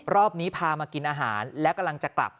รอบนี้พามากินอาหารแล้วกำลังจะกลับ